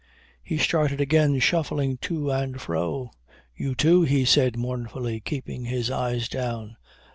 He started again shuffling to and fro. "You too," he said mournfully, keeping his eyes down.